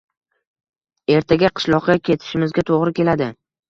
Ertaga qishloqqa ketishimizga toʻgʻri keladi